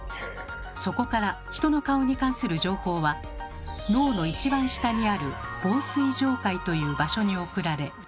そこから人の顔に関する情報は脳の一番下にある「紡錘状回」という場所に送られ。